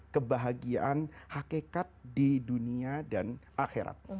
kebahagiaan hakikat di dunia dan akhirat